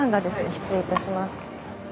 失礼いたします。